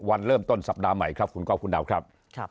วันเริ่มต้นสัปดาห์ใหม่ครับขอบคุณครับ